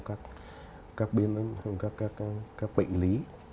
các bệnh lý